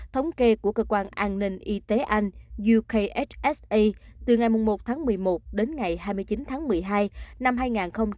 thống kê của cơ quan an ninh y tế anh ukhsa từ ngày một một mươi một đến ngày hai mươi chín một mươi hai hai nghìn hai mươi một